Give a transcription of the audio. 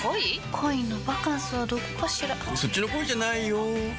恋のバカンスはどこかしらそっちの恋じゃないよ